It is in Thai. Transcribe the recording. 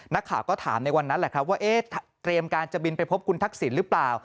นักข่าวก็ถามในวันนั้นแหละครับว่าเอ๊ะเตรียมการจะบินไปพบคุณทักษิณหรือเปล่า